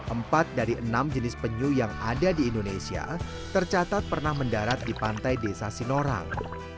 empat dari enam jenis penyu yang ada di indonesia tercatat pernah mendarat di pantai desa sinorang